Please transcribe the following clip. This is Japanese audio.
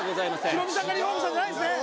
ヒロミさんがリフォームしたんじゃないんですね。